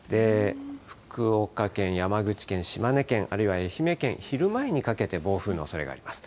福岡県、山口県、島根県、あるいは愛媛県、昼前にかけて暴風のおそれがあります。